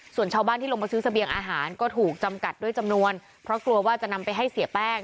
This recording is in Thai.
ส่วนชาวบ้านที่ลงมาซื้อเสบียงอาหารก็ถูกจำกัดด้วยจำนวนเพราะกลัวว่าจะนำไปให้เสียแป้ง